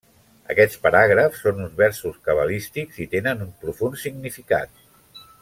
Aquests paràgrafs són uns versos cabalístics, i tenen un profund significat.